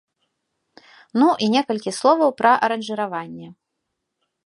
Ну і некалькі словаў пра аранжыраванне.